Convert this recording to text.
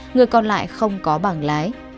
người còn lại không có bảng lái